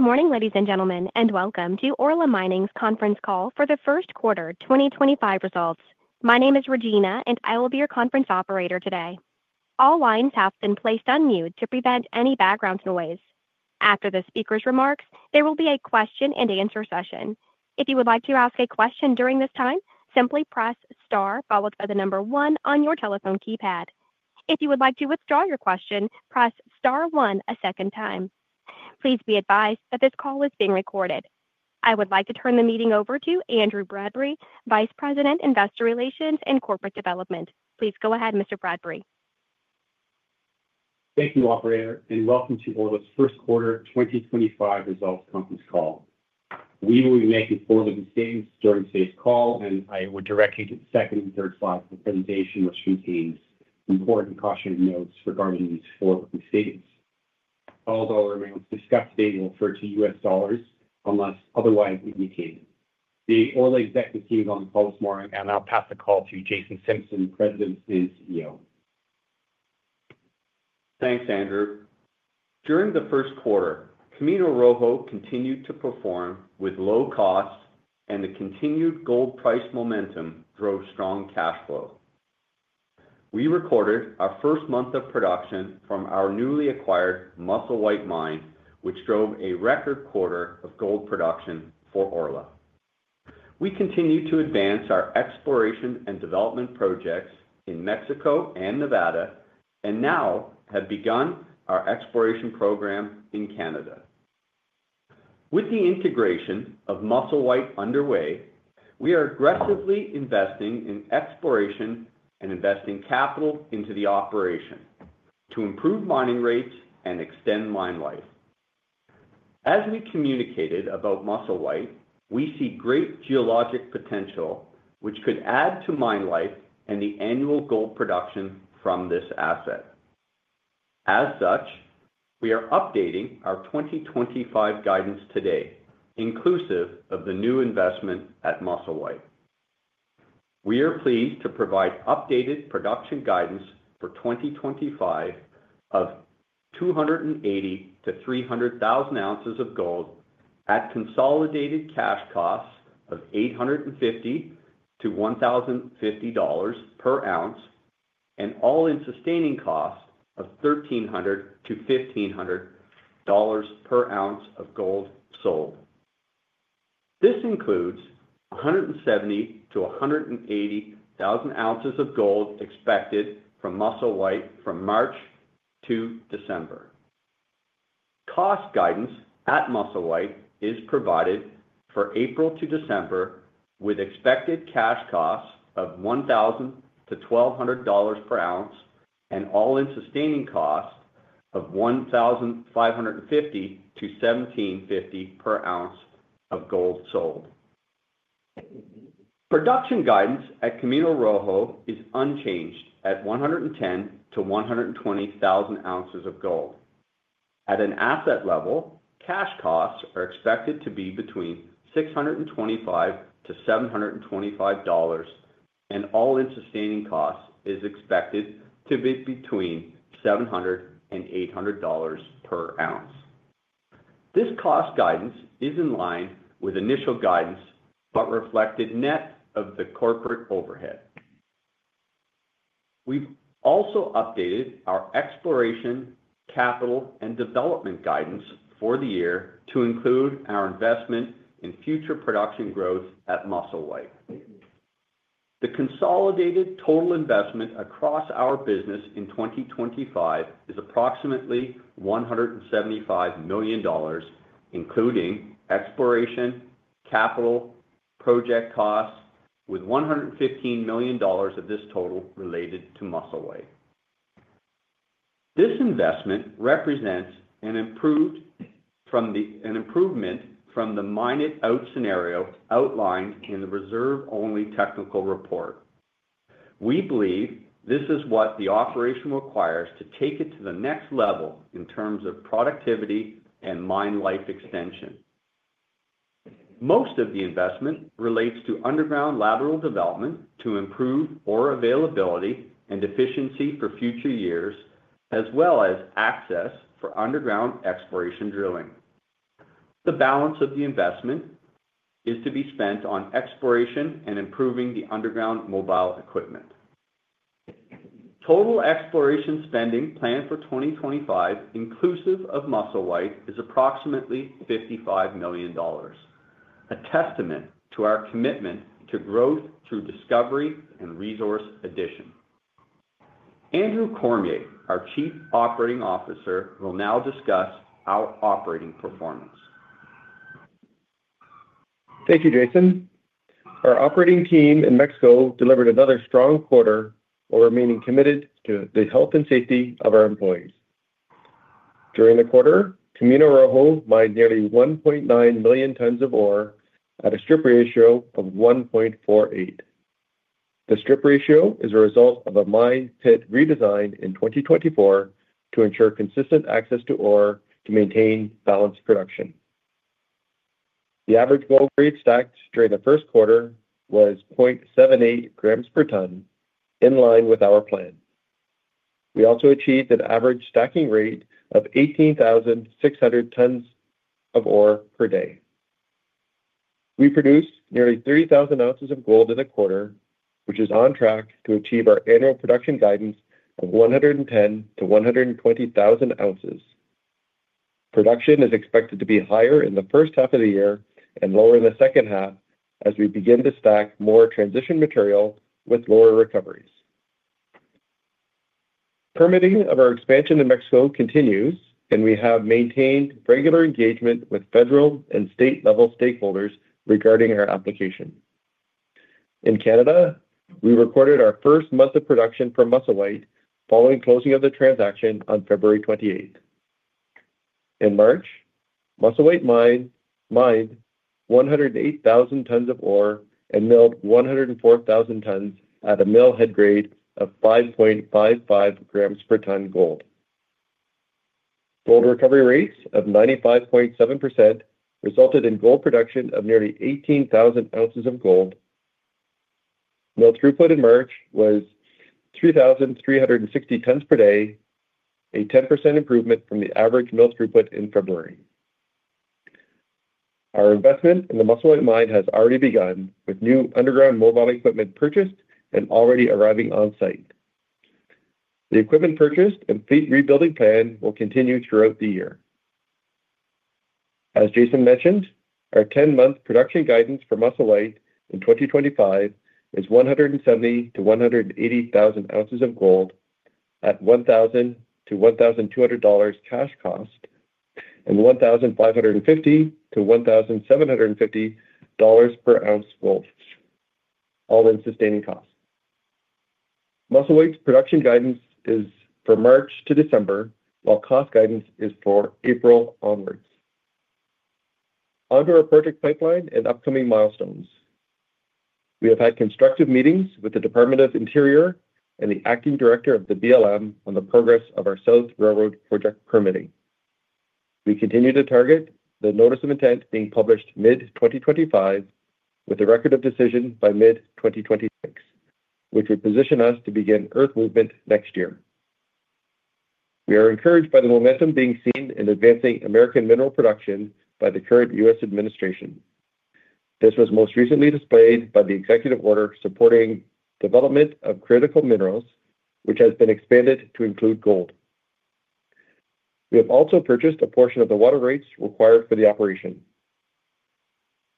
Good morning, ladies and gentlemen, and welcome to Orla Mining's conference call for the first quarter 2025 results. My name is Regina, and I will be your conference operator today. All lines have been placed on mute to prevent any background noise. After the speaker's remarks, there will be a question-and-answer session. If you would like to ask a question during this time, simply press star followed by the number one on your telephone keypad. If you would like to withdraw your question, press star one a second time. Please be advised that this call is being recorded. I would like to turn the meeting over to Andrew Bradbury, Vice President, Investor Relations and Corporate Development. Please go ahead, Mr. Bradbury. Thank you, Operator, and welcome to Orla's first quarter 2025 results conference call. We will be making forward-looking statements during today's call, and I will direct you to the second and third slides of the presentation, which contain important cautionary notes regarding these forward-looking statements. All dollar amounts discussed today will refer to U.S. dollars unless otherwise indicated. The Orla Executive Team is on the call this morning, and I'll pass the call to Jason Simpson, President and CEO. Thanks, Andrew. During the first quarter, Camino Rojo continued to perform with low costs, and the continued gold price momentum drove strong cash flow. We recorded our first month of production from our newly acquired Musselwhite Mine, which drove a record quarter of gold production for Orla. We continue to advance our exploration and development projects in Mexico and Nevada, and now have begun our exploration program in Canada. With the integration of Musselwhite underway, we are aggressively investing in exploration and investing capital into the operation to improve mining rates and extend mine life. As we communicated about Musselwhite, we see great geologic potential, which could add to mine life and the annual gold production from this asset. As such, we are updating our 2025 guidance today, inclusive of the new investment at Musselwhite. We are pleased to provide updated production guidance for 2025 of 280,000-300,000 ounces of gold at consolidated cash costs of $850-$1,050 per ounce, and all-in sustaining costs of $1,300-$1,500 per ounce of gold sold. This includes 170,000-180,000 ounces of gold expected from Musselwhite from March to December. Cost guidance at Musselwhite is provided for April to December, with expected cash costs of $1,000-$1,200 per ounce, and all-in sustaining costs of $1,550-$1,750 per ounce of gold sold. Production guidance at Camino Rojo is unchanged at 110,000-120,000 ounces of gold. At an asset level, cash costs are expected to be between $625-$725, and all-in sustaining costs are expected to be between $700-$800 per ounce. This cost guidance is in line with initial guidance but reflected net of the corporate overhead. We have also updated our exploration, capital, and development guidance for the year to include our investment in future production growth at Musselwhite. The consolidated total investment across our business in 2025 is approximately $175 million, including exploration, capital, project costs, with $115 million of this total related to Musselwhite. This investment represents an improvement from the mine-out scenario outlined in the reserve-only technical report. We believe this is what the operation requires to take it to the next level in terms of productivity and mine life extension. Most of the investment relates to underground lateral development to improve ore availability and efficiency for future years, as well as access for underground exploration drilling. The balance of the investment is to be spent on exploration and improving the underground mobile equipment. Total exploration spending planned for 2025, inclusive of Musselwhite, is approximately $55 million, a testament to our commitment to growth through discovery and resource addition. Andrew Cormier, our Chief Operating Officer, will now discuss our operating performance. Thank you, Jason. Our operating team in Mexico delivered another strong quarter while remaining committed to the health and safety of our employees. During the quarter, Camino Rojo mined nearly 1.9 million tons of ore at a strip ratio of 1.48. The strip ratio is a result of a mine pit redesign in 2024 to ensure consistent access to ore to maintain balanced production. The average gold grade stacked during the first quarter was 0.78 grams per ton, in line with our plan. We also achieved an average stacking rate of 18,600 tons of ore per day. We produced nearly 3,000 ounces of gold in the quarter, which is on track to achieve our annual production guidance of 110,000-120,000 ounces. Production is expected to be higher in the first half of the year and lower in the second half as we begin to stack more transition material with lower recoveries. Permitting of our expansion in Mexico continues, and we have maintained regular engagement with federal and state-level stakeholders regarding our application. In Canada, we recorded our first month of production for Musselwhite following closing of the transaction on February 28. In March, Musselwhite mined 108,000 tons of ore and milled 104,000 tons at a mill head grade of 5.55 g per ton gold. Gold recovery rates of 95.7% resulted in gold production of nearly 18,000 ounces of gold. Mill throughput in March was 3,360 tons per day, a 10% improvement from the average mill throughput in February. Our investment in the Musselwhite mine has already begun, with new underground mobile equipment purchased and already arriving on site. The equipment purchased and fleet rebuilding plan will continue throughout the year. As Jason mentioned, our 10-month production guidance for Musselwhite in 2025 is 170,000-180,000 ounces of gold at $1,000-$1,200 cash cost and $1,550-$1,750 per ounce gold all-in sustaining costs. Musselwhite's production guidance is for March to December, while cost guidance is for April onwards. Under our project pipeline and upcoming milestones, we have had constructive meetings with the Department of the Interior and the Acting Director of the BLM on the progress of our South Railroad project permitting. We continue to target the Notice of Intent being published mid-2025, with a record of decision by mid-2026, which would position us to begin earth movement next year. We are encouraged by the momentum being seen in advancing American mineral production by the current U.S. administration. This was most recently displayed by the executive order supporting development of critical minerals, which has been expanded to include gold. We have also purchased a portion of the water rights required for the operation.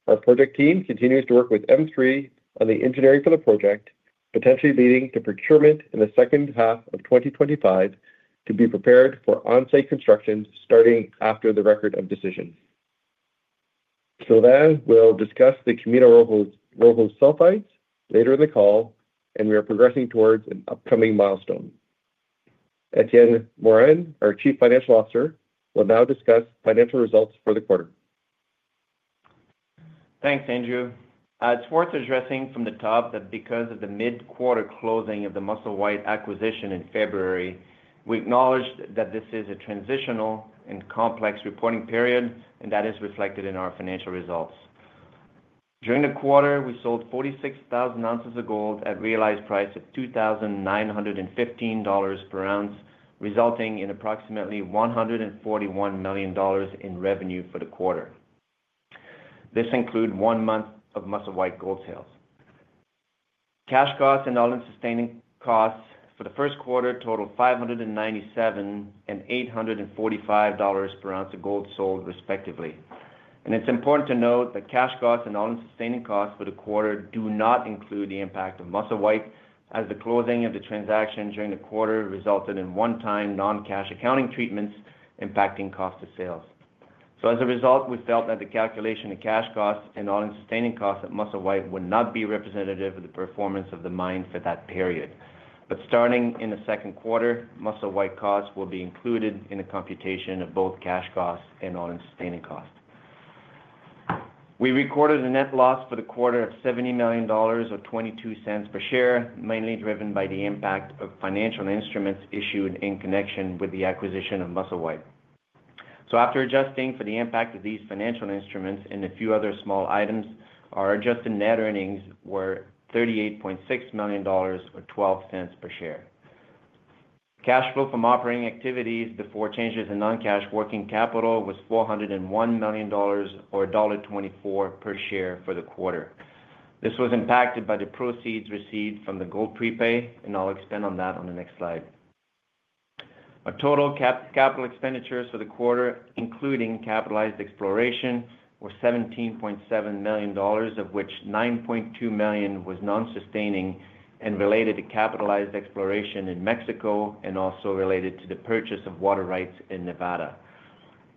Our project team continues to work with M3 on the engineering for the project, potentially leading to procurement in the second half of 2025 to be prepared for on-site construction starting after the record of decision. Sylvain Guerard will discuss the Camino Rojo sulfides later in the call, and we are progressing towards an upcoming milestone. Etienne Morin, our Chief Financial Officer, will now discuss financial results for the quarter. Thanks, Andrew. It's worth addressing from the top that because of the mid-quarter closing of the Musselwhite acquisition in February, we acknowledge that this is a transitional and complex reporting period, and that is reflected in our financial results. During the quarter, we sold 46,000 ounces of gold at a realized price of $2,915 per ounce, resulting in approximately $141 million in revenue for the quarter. This includes one month of Musselwhite gold sales. Cash costs and all-in sustaining costs for the first quarter total $597 and $845 per ounce of gold sold, respectively. It's important to note that cash costs and all-in sustaining costs for the quarter do not include the impact of Musselwhite, as the closing of the transaction during the quarter resulted in one-time non-cash accounting treatments impacting cost of sales. As a result, we felt that the calculation of cash costs and all-in sustaining costs at Musselwhite would not be representative of the performance of the mine for that period. Starting in the second quarter, Musselwhite costs will be included in the computation of both cash costs and all-in sustaining costs. We recorded a net loss for the quarter of $70 million or $0.22 per share, mainly driven by the impact of financial instruments issued in connection with the acquisition of Musselwhite. After adjusting for the impact of these financial instruments and a few other small items, our adjusted net earnings were $38.6 million or $0.12 per share. Cash flow from operating activities before changes in non-cash working capital was $401 million or $1.24 per share for the quarter. This was impacted by the proceeds received from the Gold Prepay, and I'll expand on that on the next slide. Our total capital expenditures for the quarter, including capitalized exploration, were $17.7 million, of which $9.2 million was non-sustaining and related to capitalized exploration in Mexico and also related to the purchase of water rights in Nevada.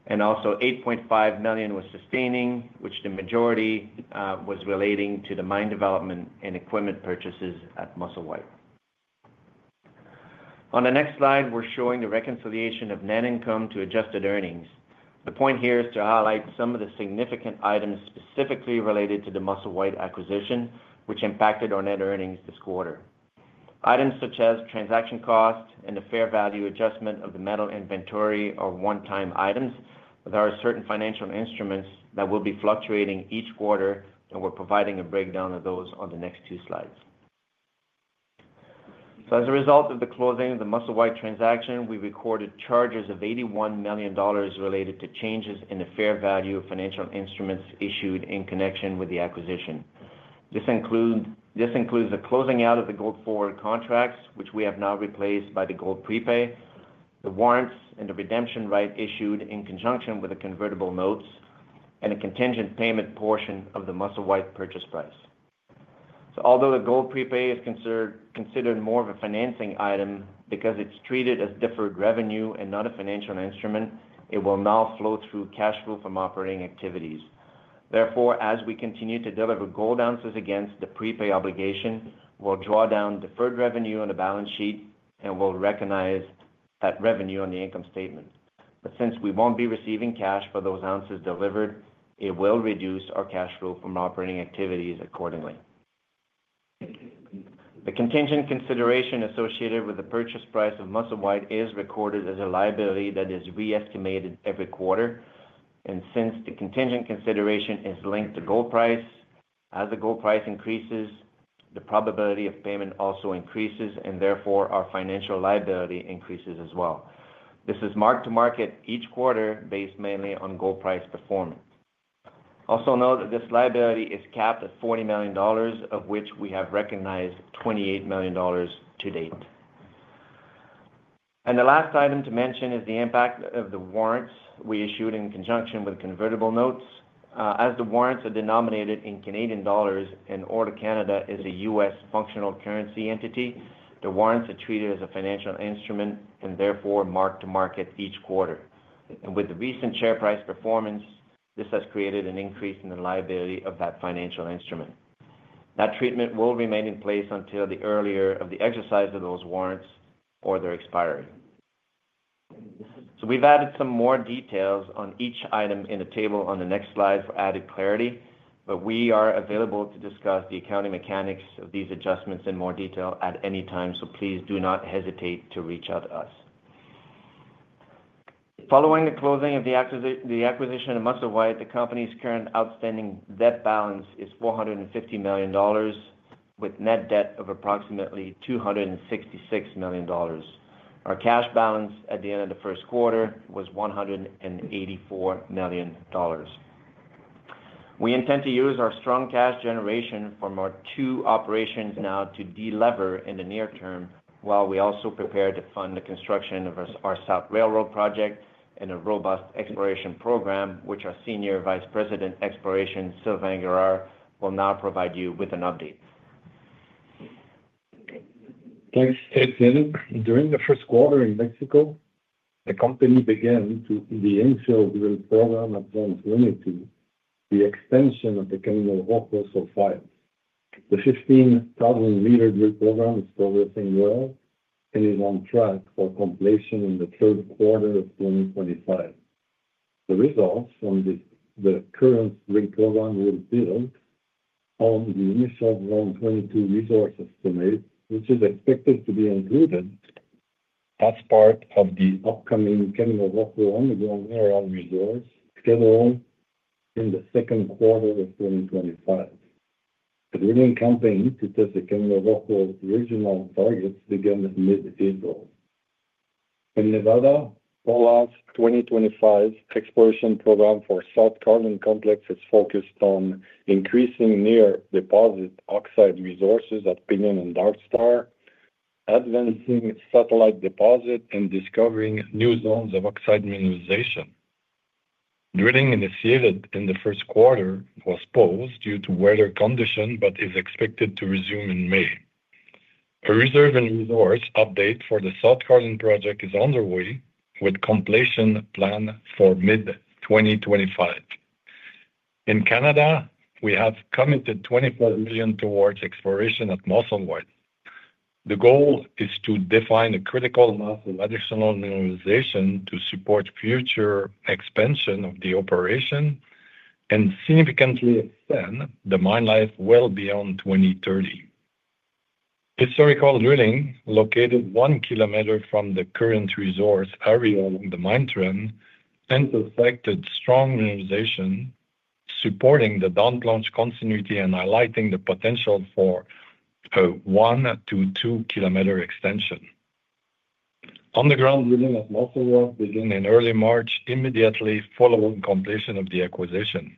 Also, $8.5 million was sustaining, which the majority was relating to the mine development and equipment purchases at Musselwhite. On the next slide, we're showing the reconciliation of net income to adjusted earnings. The point here is to highlight some of the significant items specifically related to the Musselwhite acquisition, which impacted our net earnings this quarter. Items such as transaction cost and the fair value adjustment of the metal inventory are one-time items, but there are certain financial instruments that will be fluctuating each quarter, and we're providing a breakdown of those on the next two slides. As a result of the closing of the Musselwhite transaction, we recorded charges of $81 million related to changes in the fair value of financial instruments issued in connection with the acquisition. This includes the closing out of the Gold Forward Contracts, which we have now replaced by the Gold Prepay, the warrants and the redemption right issued in conjunction with the convertible notes, and a contingent payment portion of the Musselwhite purchase price. Although the Gold Prepay is considered more of a financing item because it's treated as deferred revenue and not a financial instrument, it will now flow through cash flow from operating activities. Therefore, as we continue to deliver gold ounces against the prepay obligation, we'll draw down deferred revenue on the balance sheet and we'll recognize that revenue on the income statement. Since we won't be receiving cash for those ounces delivered, it will reduce our cash flow from operating activities accordingly. The contingent consideration associated with the purchase price of Musselwhite is recorded as a liability that is re-estimated every quarter. Since the contingent consideration is linked to gold price, as the gold price increases, the probability of payment also increases, and therefore our financial liability increases as well. This is marked to market each quarter based mainly on gold price performance. Also note that this liability is capped at $40 million, of which we have recognized $28 million to date. The last item to mention is the impact of the warrants we issued in conjunction with convertible notes. As the warrants are denominated in Canadian dollars, and Orla Canada is a U.S. functional currency entity, the warrants are treated as a financial instrument and therefore marked to market each quarter. With the recent share price performance, this has created an increase in the liability of that financial instrument. That treatment will remain in place until the earlier of the exercise of those warrants or their expiry. We've added some more details on each item in the table on the next slide for added clarity, but we are available to discuss the accounting mechanics of these adjustments in more detail at any time, so please do not hesitate to reach out to us. Following the closing of the acquisition of Musselwhite Mine, the company's current outstanding debt balance is $450 million, with net debt of approximately $266 million. Our cash balance at the end of the first quarter was $184 million. We intend to use our strong cash generation from our two operations now to deliver in the near term while we also prepare to fund the construction of our South Railroad project and a robust exploration program, which our Senior Vice President, Exploration, Sylvain Guerard, will now provide you with an update. Thanks, Etienne. During the first quarter in Mexico, the company began to build program advanced limiting the extension of the Camino Rojo sulfides. The 15,000 m drill program is progressing well and is on track for completion in the third quarter of 2025. The results from the current drill program will build on the initial 2022 resource estimate, which is expected to be included. That is part of the upcoming Camino Rojo underground mineral resource scheduled in the second quarter of 2025. The drilling campaign to test the Camino Rojo's regional targets began in mid-April. In Nevada, Orla's 2025 exploration program for South Carlin Complex is focused on increasing near-deposit oxide resources at Pinion and Dark Star, advancing satellite deposit, and discovering new zones of oxide mineralization. Drilling initiated in the first quarter was paused due to weather condition but is expected to resume in May. A reserve and resource update for the South Carlin project is underway, with completion planned for mid-2025. In Canada, we have committed $24 million towards exploration at Musselwhite. The goal is to define a critical mass of additional mineralization to support future expansion of the operation and significantly extend the mine life well beyond 2030. Historical drilling, located 1 kilometer from the current resource area along the mine trend, intersected strong mineralization supporting the downplunge continuity and highlighting the potential for a 1-2 kilometer extension. Underground drilling at Musselwhite began in early March immediately following completion of the acquisition.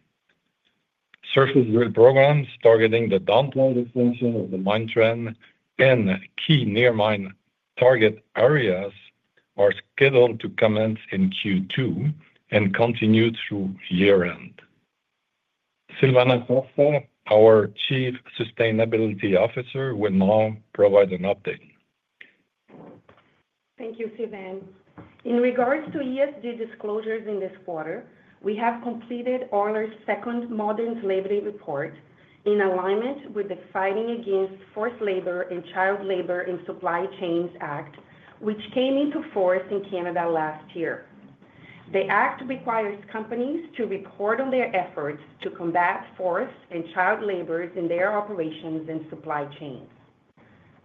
Surface drill programs targeting the downplunge extension of the mine trend and key near-mine target areas are scheduled to commence in Q2 and continue through year-end. Silvana Costa, our Chief Sustainability Officer, will now provide an update. Thank you, Sylvain. In regards to ESG disclosures in this quarter, we have completed Orla's second modern slavery report in alignment with the Fighting Against Forced Labor and Child Labor in Supply Chains Act, which came into force in Canada last year. The act requires companies to report on their efforts to combat forced and child labor in their operations and supply chains.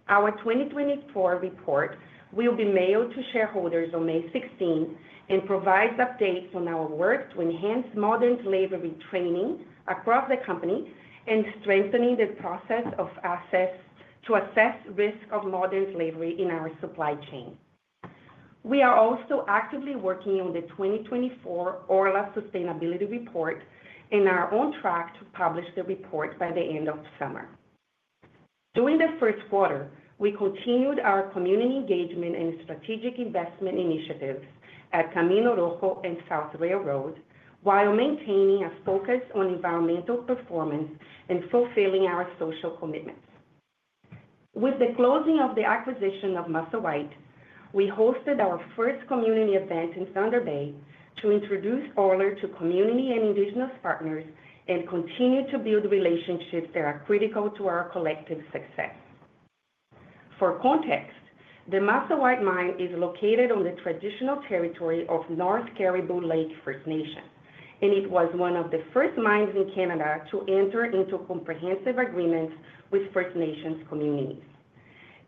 Our 2024 report will be mailed to shareholders on May 16 and provides updates on our work to enhance modern slavery training across the company and strengthening the process to assess risk of modern slavery in our supply chain. We are also actively working on the 2024 Orla Sustainability Report and are on track to publish the report by the end of summer. During the first quarter, we continued our community engagement and strategic investment initiatives at Camino Rojo and South Railroad while maintaining a focus on environmental performance and fulfilling our social commitments. With the closing of the acquisition of Musselwhite, we hosted our first community event in Thunder Bay to introduce Orla to community and indigenous partners and continue to build relationships that are critical to our collective success. For context, the Musselwhite Mine is located on the traditional territory of North Caribou Lake First Nation, and it was one of the first mines in Canada to enter into comprehensive agreements with First Nations communities.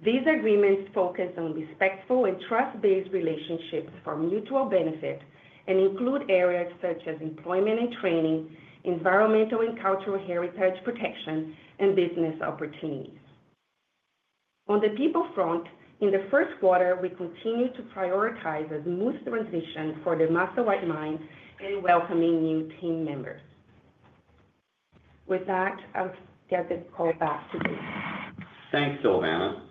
These agreements focus on respectful and trust-based relationships for mutual benefit and include areas such as employment and training, environmental and cultural heritage protection, and business opportunities. On the people front, in the first quarter, we continue to prioritize a smooth transition for the Musselwhite Mine and welcoming new team members. With that, I'll get the call back to you. Thanks, Sylvain.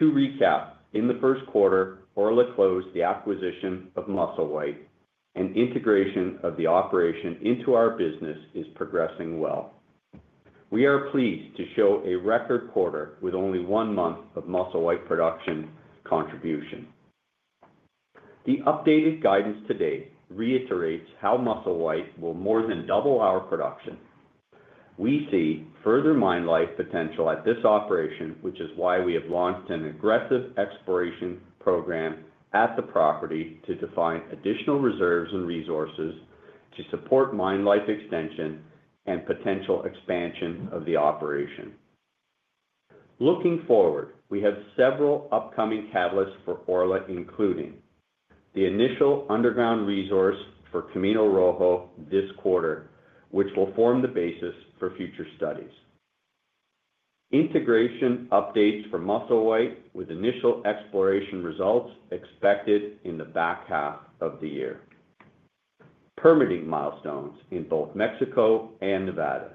To recap, in the first quarter, Orla closed the acquisition of Musselwhite, and integration of the operation into our business is progressing well. We are pleased to show a record quarter with only one month of Musselwhite production contribution. The updated guidance to date reiterates how Musselwhite will more than double our production. We see further mine life potential at this operation, which is why we have launched an aggressive exploration program at the property to define additional reserves and resources to support mine life extension and potential expansion of the operation. Looking forward, we have several upcoming catalysts for Orla, including the initial underground resource for Camino Rojo this quarter, which will form the basis for future studies. Integration updates for Musselwhite with initial exploration results expected in the back half of the year. Permitting milestones in both Mexico and Nevada.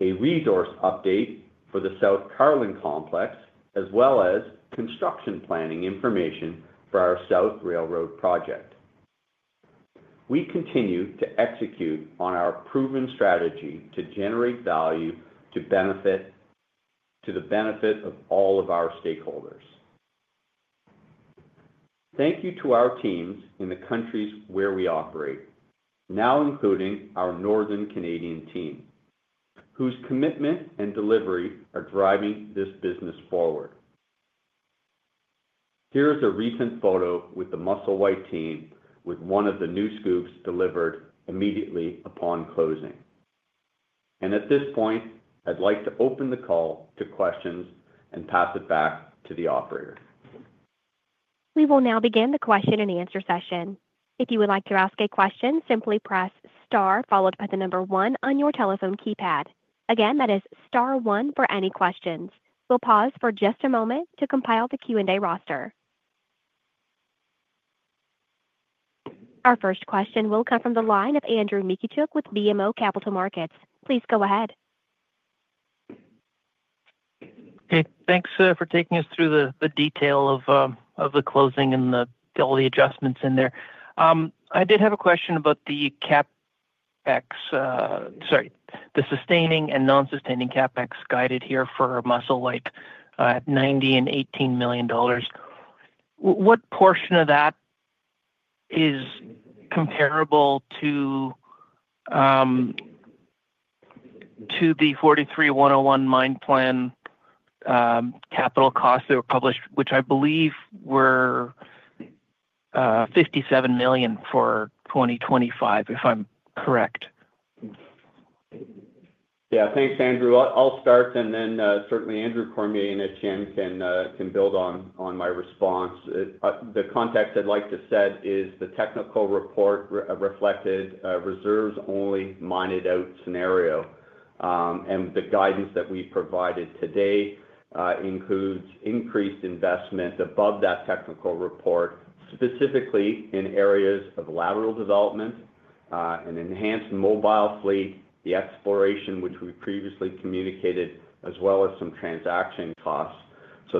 A resource update for the South Carlin Complex, as well as construction planning information for our South Railroad project. We continue to execute on our proven strategy to generate value to the benefit of all of our stakeholders. Thank you to our teams in the countries where we operate, now including our Northern Canadian team, whose commitment and delivery are driving this business forward. Here is a recent photo with the Musselwhite team with one of the new scoops delivered immediately upon closing. At this point, I'd like to open the call to questions and pass it back to the operator. We will now begin the question and answer session. If you would like to ask a question, simply press star followed by the number one on your telephone keypad. Again, that is star one for any questions. We'll pause for just a moment to compile the Q&A roster. Our first question will come from the line of Andrew Mikitchook with BMO Capital Markets. Please go ahead. Okay. Thanks for taking us through the detail of the closing and all the adjustments in there. I did have a question about the CapEx, sorry, the sustaining and non-sustaining CapEx guided here for Musselwhite at $90 million and $18 million. What portion of that is comparable to the 43-101 mine plan capital costs that were published, which I believe were $57 million for 2025, if I'm correct? Yeah. Thanks, Andrew. I'll start, and then certainly Andrew Cormier and Etienne can build on my response. The context I'd like to set is the technical report reflected a reserves-only mined-out scenario, and the guidance that we provided today includes increased investment above that technical report, specifically in areas of lateral development, an enhanced mobile fleet, the exploration which we previously communicated, as well as some transaction costs.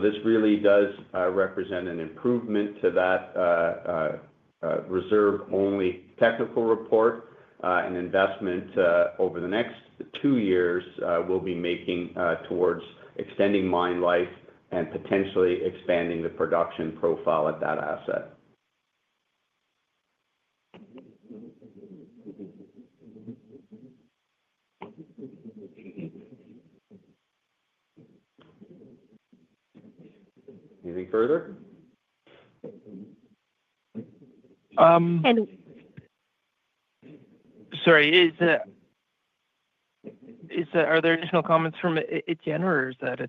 This really does represent an improvement to that reserve-only technical report, and investment over the next two years we'll be making towards extending mine life and potentially expanding the production profile at that asset. Anything further? Sorry, are there additional comments from Etienne or is that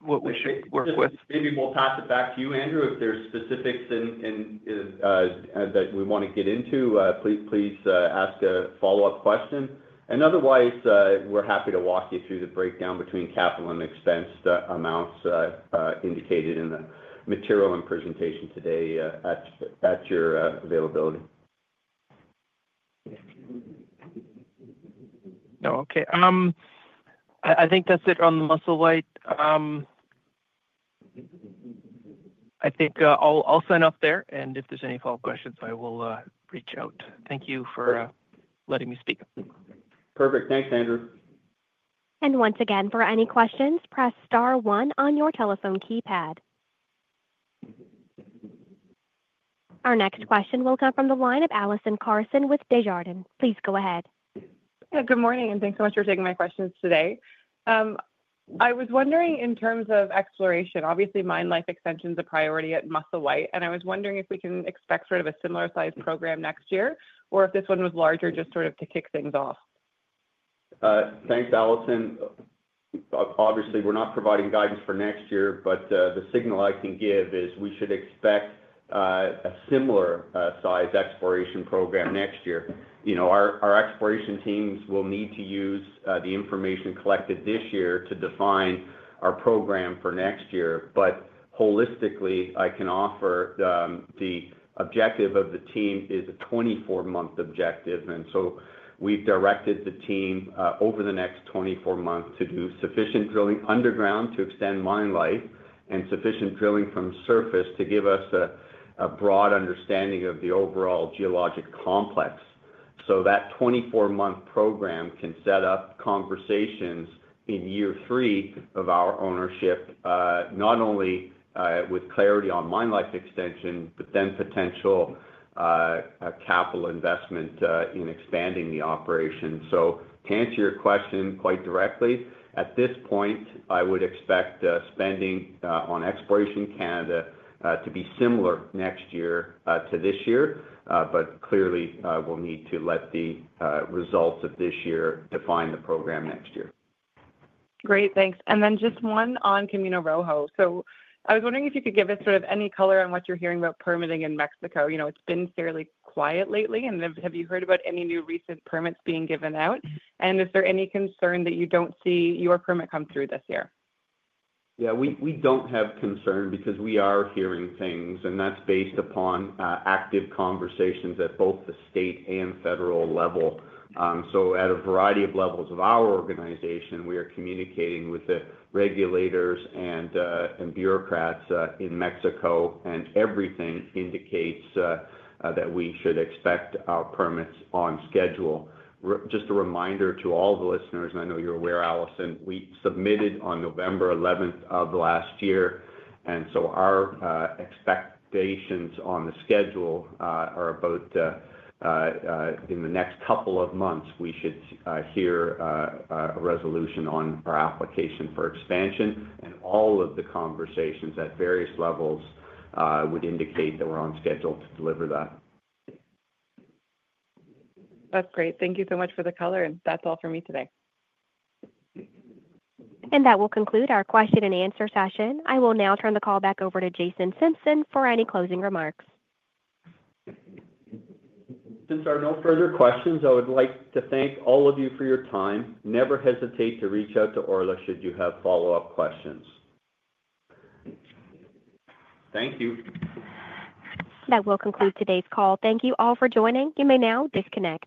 what we should work with? Maybe we'll pass it back to you, Andrew. If there are specifics that we want to get into, please ask a follow-up question. Otherwise, we're happy to walk you through the breakdown between capital and expense amounts indicated in the material and presentation today at your availability. Okay. I think that's it on Musselwhite. I think I'll sign off there, and if there's any follow-up questions, I will reach out. Thank you for letting me speak. Perfect. Thanks, Andrew. Once again, for any questions, press star one on your telephone keypad. Our next question will come from the line of Allison Carson with Desjardins. Please go ahead. Yeah. Good morning, and thanks so much for taking my questions today. I was wondering in terms of exploration, obviously mine life extension is a priority at Musselwhite, and I was wondering if we can expect sort of a similar size program next year or if this one was larger just sort of to kick things off. Thanks, Allison. Obviously, we're not providing guidance for next year, but the signal I can give is we should expect a similar size exploration program next year. Our exploration teams will need to use the information collected this year to define our program for next year, but holistically, I can offer the objective of the team is a 24-month objective. We have directed the team over the next 24 months to do sufficient drilling underground to extend mine life and sufficient drilling from surface to give us a broad understanding of the overall geologic complex. That 24-month program can set up conversations in year three of our ownership, not only with clarity on mine life extension, but then potential capital investment in expanding the operation. To answer your question quite directly, at this point, I would expect spending on Exploration Canada to be similar next year to this year, but clearly we'll need to let the results of this year define the program next year. Great. Thanks. Just one on Camino Rojo. I was wondering if you could give us sort of any color on what you're hearing about permitting in Mexico. It's been fairly quiet lately, and have you heard about any new recent permits being given out? Is there any concern that you don't see your permit come through this year? Yeah. We do not have concern because we are hearing things, and that is based upon active conversations at both the state and federal level. At a variety of levels of our organization, we are communicating with the regulators and bureaucrats in Mexico, and everything indicates that we should expect our permits on schedule. Just a reminder to all the listeners, and I know you are aware, Allison, we submitted on November 11 of last year, and our expectations on the schedule are about in the next couple of months we should hear a resolution on our application for expansion, and all of the conversations at various levels would indicate that we are on schedule to deliver that. That's great. Thank you so much for the color, and that's all for me today. That will conclude our question and answer session. I will now turn the call back over to Jason Simpson for any closing remarks. Since there are no further questions, I would like to thank all of you for your time. Never hesitate to reach out to Orla should you have follow-up questions. Thank you. That will conclude today's call. Thank you all for joining. You may now disconnect.